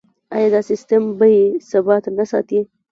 آیا دا سیستم بیې ثابت نه ساتي؟